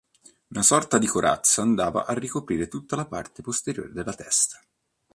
Una sorta di corazza andava a ricoprire tutta la parte posteriore della testa.